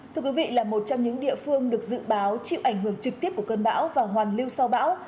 thưa quý vị là một trong những địa phương được dự báo chịu ảnh hưởng trực tiếp của cơn bão và hoàn lưu sau bão